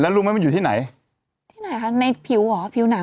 รู้ไหมมันอยู่ที่ไหนที่ไหนคะในผิวเหรอผิวหนัง